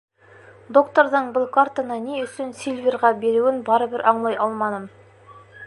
Докторҙың был картаны ни өсөн Сильверға биреүен барыбер аңлай алманым.